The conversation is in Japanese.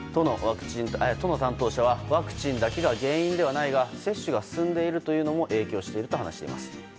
都の担当者はワクチンだけが原因ではないが接種が進んでいるというのも影響していると話しています。